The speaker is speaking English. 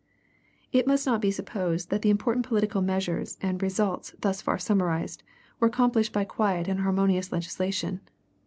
It must not be supposed that the important political measures and results thus far summarized were accomplished by quiet and harmonious legislation.